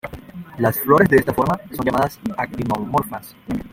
Las flores de esta forma son llamadas actinomorfas.